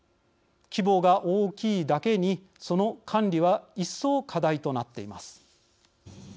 規模が大きいだけにその管理は一層、課題となっています。